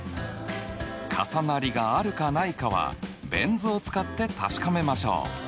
重なりがあるかないかはベン図を使って確かめましょう！